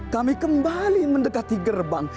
kami kembali mendekati gerbang